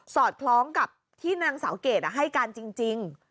อดคล้องกับที่นางสาวเกรดให้การจริง